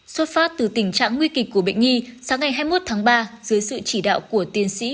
xuất phát từ tình trạng nguy kịch của bệnh nhi sáng ngày hai mươi một tháng ba dưới sự chỉ đạo của tiến sĩ